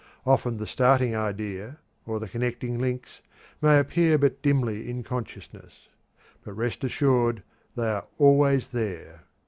Often the starting idea, or the connecting links, may appear but dimly in consciousness; but rest assured they are always there.